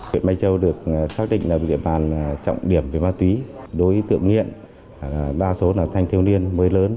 huyện mai châu được xác định là địa bàn trọng điểm về ma túy đối tượng nghiện đa số là thanh thiếu niên mới lớn